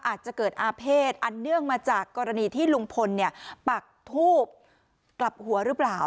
อาจจะเกิดอาเภษอันเนื่องมาจากกรณีที่ลุงพลปักทูบกลับหัวหรือเปล่า